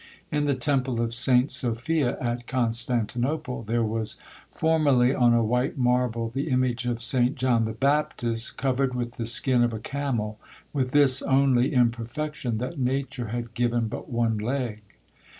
In the temple of St. Sophia, at Constantinople, there was formerly on a white marble the image of St. John the Baptist covered with the skin of a camel; with this only imperfection, that nature had given but one leg.